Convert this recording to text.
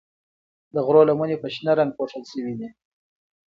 د غرو لمنې په شنه رنګ پوښل شوي دي.